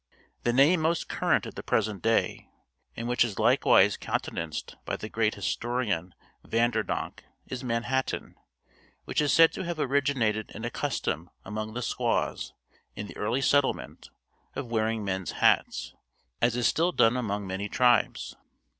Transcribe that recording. The name most current at the present day, and which is likewise countenanced by the great historian Vander Donck, is Manhattan, which is said to have originated in a custom among the squaws, in the early settlement, of wearing men's hats, as is still done among many tribes.